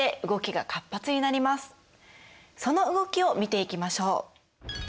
その動きを見ていきましょう。